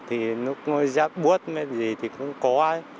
thì nó có rét bút hay gì thì cũng có